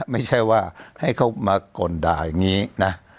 ไม่ใช่ว่าให้เขามาก่นด่าอย่างนี้นะ